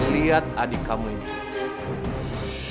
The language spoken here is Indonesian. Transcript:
lihat adik kamu ini